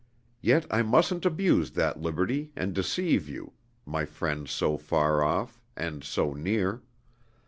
Yet I mustn't abuse that liberty, and deceive you, my friend so far off and so near.